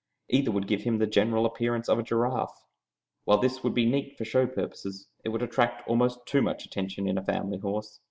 Either would give him the general appearance of a giraffe. While this would be neat for show purposes, it would attract almost too much attention in a family horse.